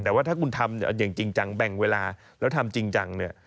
แต่ว่าถ้าคุณทำอย่างจริงจังแบ่งเวลาแล้วทำจริงจังเนี่ย